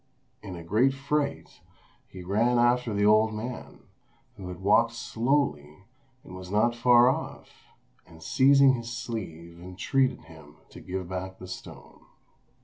In a great fright, he ran after the old man, who had walked slowly and was not far off, and seizing his sleeve entreated him to give back the stone.